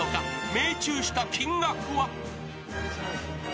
命中した金額は？